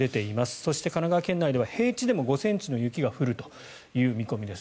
そして、神奈川県内では平地でも５ｃｍの雪が降るという見込みです。